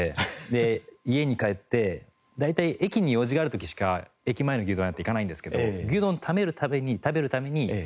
で家に帰って大体駅に用事がある時しか駅前の牛丼屋って行かないんですけど牛丼を食べるために駅前に行きました。